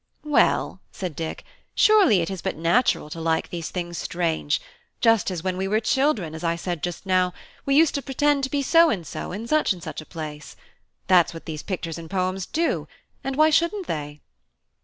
"Well," said Dick, "surely it is but natural to like these things strange; just as when we were children, as I said just now, we used to pretend to be so and so in such and such a place. That's what these pictures and poems do; and why shouldn't they?"